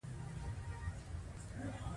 اصول مراعاتول پر تاوتریخوالي برلاسي کیږي.